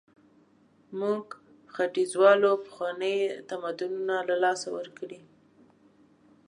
موږ ختیځوالو پخواني تمدنونه له لاسه ورکړي.